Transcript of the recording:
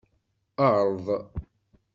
Erḍ.